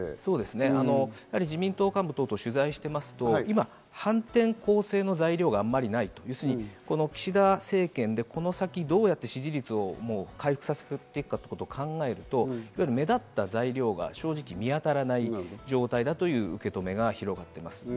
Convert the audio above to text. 自民党幹部等々を取材していると、反転攻勢の材料があまりないと岸田政権でこの先どうやって支持率を回復させるかを考えると目立った材料が正直、見当たらない状態だという受け止めが広がっています。